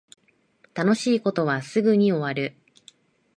楽しい事はすぐに終わる